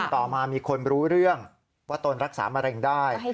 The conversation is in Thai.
ต่อมามีคนรู้เรื่องว่าตนรักษามะเร็งได้